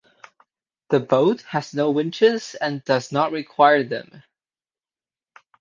The boat has no winches and does not require them.